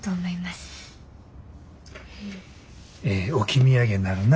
ええ置き土産になるな。